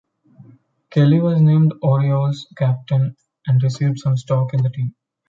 Kelley was named Orioles' captain and received some stock in the team.